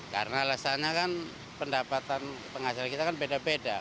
karena alasannya kan pendapatan penghasilan kita kan beda beda